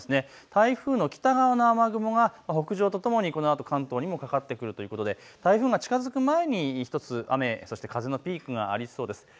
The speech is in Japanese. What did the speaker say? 台風の北側の雨雲が北上とともにこのあと関東にもかかってくるということで台風が近づく前に１つ雨、そして風のピークがありそうです。